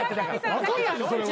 分かんないでしょそれは。